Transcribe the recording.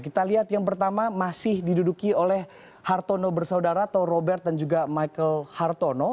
kita lihat yang pertama masih diduduki oleh hartono bersaudara atau robert dan juga michael hartono